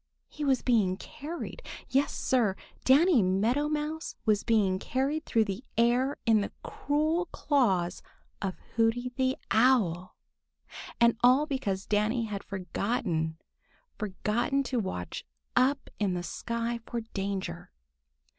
He was being carried. Yes, Sir, Danny Meadow Mouse was being carried through the air in the cruel claws of Hooty the Owl! And all because Danny had forgotten—forgotten to watch up in the sky for danger.